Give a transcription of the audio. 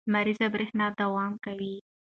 لمریزه برېښنا دوام کوي.